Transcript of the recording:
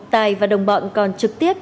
tài và đồng bọn còn trực tiếp